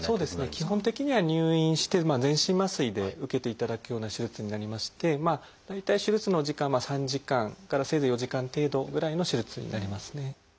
基本的には入院して全身麻酔で受けていただくような手術になりまして大体手術の時間は３時間からせいぜい４時間程度ぐらいの手術になりますね。